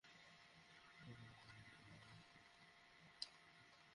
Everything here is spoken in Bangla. সংগীতশিল্পী তাহসানের সঙ্গে রাতের খাবার খেতে চাইলে ঝটপট কিনে ফেলুন টি-শার্ট।